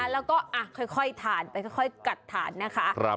แล้วก็ค่อยทานไปค่อยกัดถ่านนะคะ